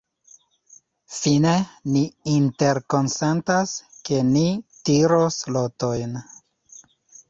Fine ni interkonsentas, ke ni tiros lotojn.